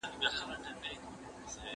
د لومړني ادبي جریان په توګه.